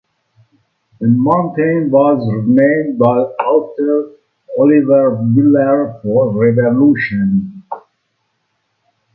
The mountain was named by Arthur Oliver Wheeler for Rev.